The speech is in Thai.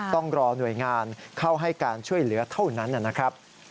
ต้องรอหน่วยงานเข้าให้การช่วยเหลือเท่านั้นนะครับ